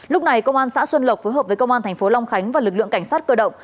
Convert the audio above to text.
lúc này công an xã xuân lộc phối hợp với công an thành phố long khánh và lực lượng cảnh sát cơ động